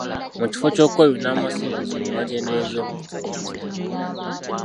Mu kifo ky’okweyuna amasinzizo ne batendereza omutonzi.